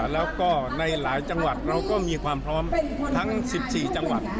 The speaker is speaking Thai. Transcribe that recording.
แล้วก็ในหลายจังหวัดเราก็มีความพร้อมทั้ง๑๔จังหวัด